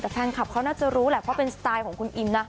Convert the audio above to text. แต่แฟนคลับเขาน่าจะรู้แหละเพราะเป็นสไตล์ของคุณอิมนะ